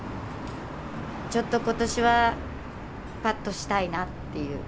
ちょっと今年はパッとしたいなっていう。